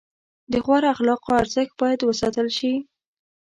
د غوره اخلاقو ارزښت باید وساتل شي.